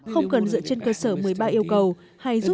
không cần dựa trên cơ sở một mươi ba yêu cầu